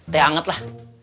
teh anget lah